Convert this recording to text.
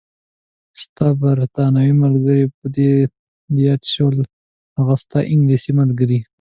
ستا بریتانوي ملګرې، په یاد دې شول؟ هغه ستا انګلیسۍ ملګرې.